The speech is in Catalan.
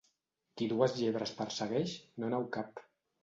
Qui dues llebres persegueix, no n'hau cap.